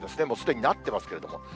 もうすでになってますけれども。